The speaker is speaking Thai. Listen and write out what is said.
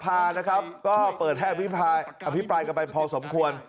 ประธานรัฐสภานะครับก็เปิดแห้งวิภายอภิปรายกลับไปพอสมควร